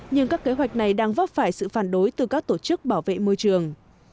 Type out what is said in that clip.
nhưng các kế hoạch này đang vấp phải sự phản đối từ các tổ chức bảo vệ môi trường